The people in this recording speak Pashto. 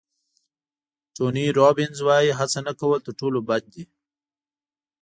ټوني روبینز وایي هڅه نه کول تر ټولو بد دي.